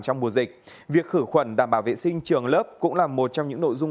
trong mùa dịch việc khử khuẩn đảm bảo vệ sinh trường lớp cũng là một trong những nội dung